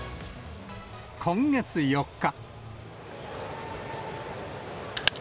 今月４日。